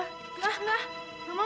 enggak enggak enggak mau